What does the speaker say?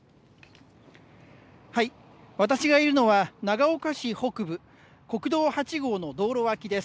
私がいるのは、長岡市北部、国道８号の道路脇です。